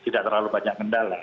tidak terlalu banyak kendala